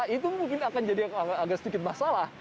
itu mungkin akan jadi agak sedikit masalah